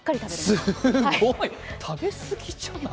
すごい、食べ過ぎじゃない？